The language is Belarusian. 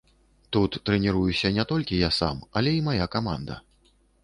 Тут трэніруюся не толькі я сам, але і мая каманда.